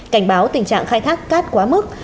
cảnh báo tình trạng khai thác cát quá mức